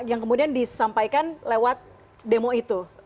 yang kemudian disampaikan lewat demo itu